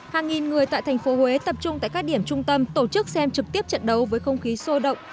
hàng nghìn người tại tp hcm tập trung tại các điểm trung tâm tổ chức xem trực tiếp trận đấu với không khí sô động